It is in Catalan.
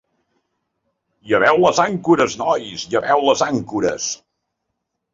Lleveu les àncores, nois, lleveu les àncores.